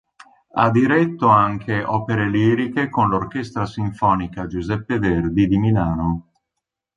Ha diretto anche opere liriche con l'Orchestra Sinfonica Giuseppe Verdi di Milano.